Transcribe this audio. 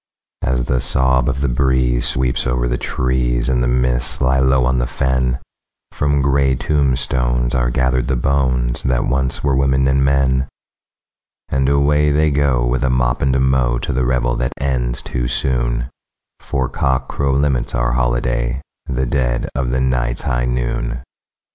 As the sob of the breeze sweeps over the trees, and the mists lie low on the fen, From grey tombstones are gathered the bones that once were women and men, And away they go, with a mop and a mow, to the revel that ends too soon, For cockcrow limits our holiday—the dead of the night's high noon!